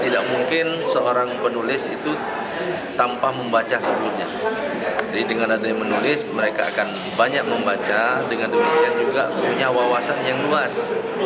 dengan demikian juga punya wawasan yang luas